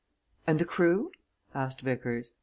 "And the crew?" asked Vickers.